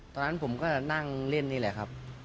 ตอนนั้นผมก็นั่งเล่นนี่แหละครับ